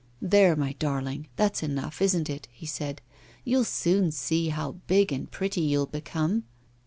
'There, my darling, that's enough, isn't it?' he said. 'You'll soon see how big and pretty you'll become.